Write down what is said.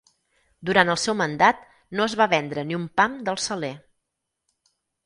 Durant el seu mandat no es va vendre ni un pam del Saler.